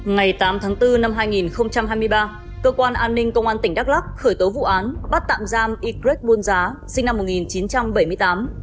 ngày tám tháng bốn năm hai nghìn hai mươi ba cơ quan an ninh công an tỉnh đắk lắc khởi tố vụ án bắt tạm giam y greg buôn giá sinh năm một nghìn chín trăm bảy mươi tám